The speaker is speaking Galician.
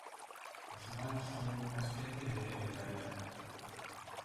Os humanos son unha especie de eucariota.